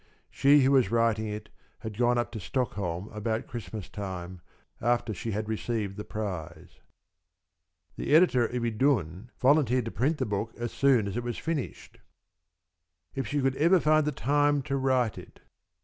She who was writing it had gone up to Stockholm around Christmas time, after she had received the prize. The editor of Idun volunteered to print the book as soon as it was finished. If she could ever find time to write it!